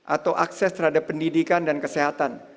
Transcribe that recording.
atau akses terhadap pendidikan dan kesehatan